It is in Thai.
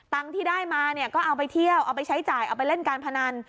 ที่ได้มาเนี่ยก็เอาไปเที่ยวเอาไปใช้จ่ายเอาไปเล่นการพนัน